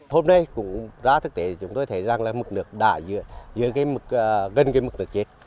hôm nay cũng ra thực tế chúng tôi thấy rằng là mức nước đã dưới gần mức nước chết